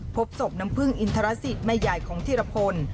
พบศพน้ำผึ้งอินทรสิทธิ์แม่ใหญ่ของธิรพล